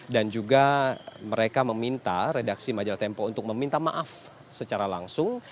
dan juga mereka meminta redaksi majalah tempo untuk meminta maaf secara langsung